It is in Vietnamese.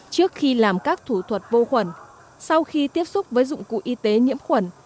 trước khi làm các thủ thuật vô khuẩn sau khi tiếp xúc với dụng cụ y tế nhiễm khuẩn